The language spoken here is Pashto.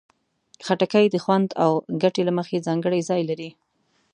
خټکی د خوند او ګټې له مخې ځانګړی ځای لري.